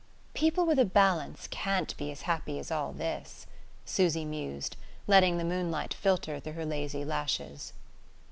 "People with a balance can't be as happy as all this," Susy mused, letting the moonlight filter through her lazy lashes.